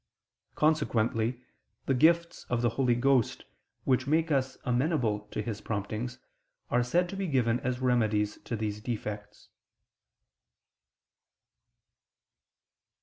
Consequently the gifts of the Holy Ghost, which make us amenable to His promptings, are said to be given as remedies to these defects.